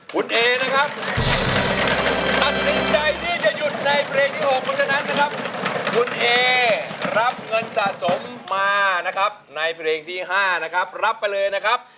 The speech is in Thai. คุณเอนะครับตัดสินใจที่จะหยุดในเพลงที่๖เพราะฉะนั้นนะครับคุณเอรับเงินสะสมมานะครับในเพลงที่๕นะครับรับไปเลยนะครับ